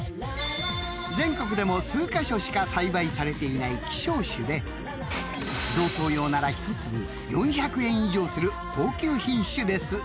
［全国でも数カ所しか栽培されていない希少種で贈答用なら一粒４００円以上する高級品種です］